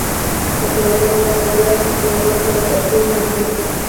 پکورې له ګرم روغن سره پخېږي